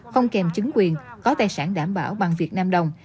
không kèm chứng quyền có tài sản đảm bảo bằng việt nam đồng